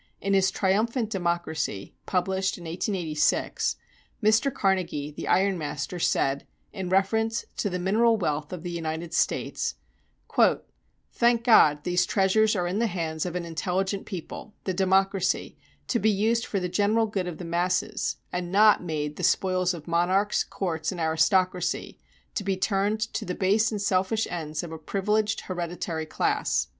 In his "Triumphant Democracy," published in 1886, Mr. Carnegie, the ironmaster, said, in reference to the mineral wealth of the United States: "Thank God, these treasures are in the hands of an intelligent people, the Democracy, to be used for the general good of the masses, and not made the spoils of monarchs, courts, and aristocracy, to be turned to the base and selfish ends of a privileged hereditary class."